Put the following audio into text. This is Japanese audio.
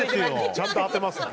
ちゃんと当てますから。